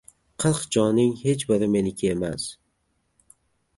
Qirq jonning hech biri meniki emas